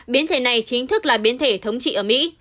biến thể này chính thức là biến thể thống trị ở mỹ